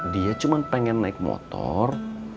dia cuma pengen naik motor